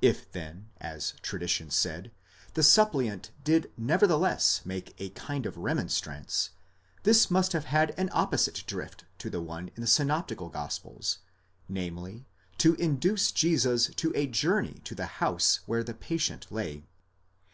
If then, as tradition said, the suppliant did nevertheless make a kind of remonstrance, this must have had an opposite drift to the one in the synoptical gospels, namely, to induce Jesus to a journey to the house where the patient lay.